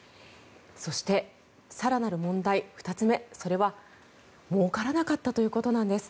そして、更なる問題２つ目それはもうからなかったということなんです。